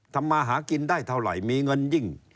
มาหากินได้เท่าไหร่มีเงินยิ่ง